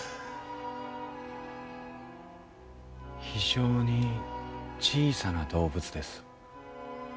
非常に小さな動物です。